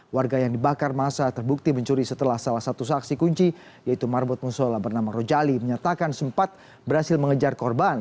warga yang dibakar masa terbukti mencuri setelah salah satu saksi kunci yaitu marbot musola bernama rojali menyatakan sempat berhasil mengejar korban